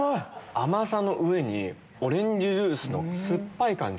甘さの上にオレンジジュースの酸っぱい感じ